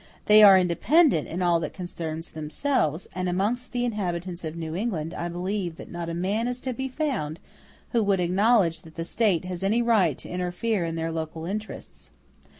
They are independent in all that concerns themselves; and amongst the inhabitants of New England I believe that not a man is to be found who would acknowledge that the State has any right to interfere in their local interests.